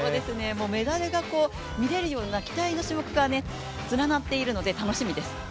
メダルが見れるような期待の種目が連なっているので楽しみです。